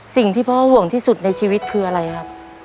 สิ่งที่พ่อห่วงที่สุดในชีวิตคืออะไรครับ